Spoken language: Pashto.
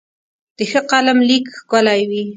د ښه قلم لیک ښکلی وي.